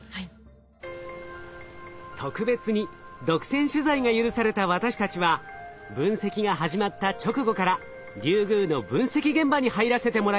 特別に独占取材が許された私たちは分析が始まった直後からリュウグウの分析現場に入らせてもらいました。